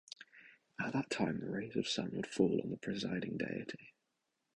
At that time the rays of the Sun would fall on the presiding deity.